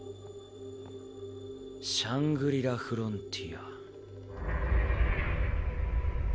「シャングリラ・フロンティア」。